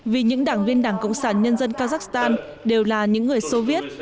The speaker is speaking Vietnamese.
vì những đảng viên đảng cộng sản nhân dân kazakhstan đều là những người soviet